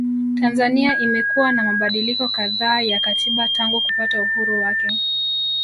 Tanzania imekuwa na mabadiliko kadhaa ya katiba tangu kupata uhuru wake